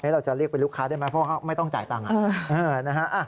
เราจะเรียกเป็นลูกค้าได้ไหมเพราะเขาไม่ต้องจ่ายตังค์